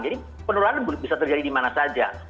jadi penularan bisa terjadi di mana saja